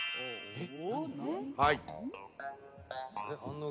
えっ！？